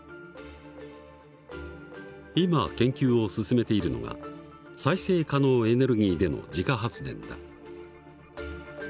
今研究を進めているのが再生可能エネルギーでの自家発電だ。